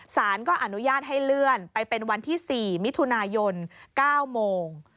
สารก็อนุญาตให้เลื่อนไปเป็นวันที่๔มิถุนายน๙โมง